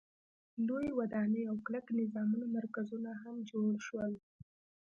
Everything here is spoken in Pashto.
لویې ودانۍ او کلک نظامي مرکزونه هم جوړ شول.